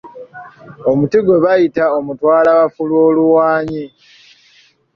Omuti gwe bayita omutwalabafu lw'oluwaanyi.